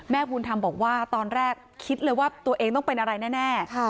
ภูมิธรรมบอกว่าตอนแรกคิดเลยว่าตัวเองต้องเป็นอะไรแน่